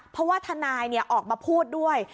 เพราะว่าทนายออกมาพูดด้วย